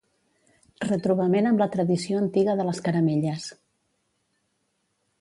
Retrobament amb la tradició antiga de les caramelles.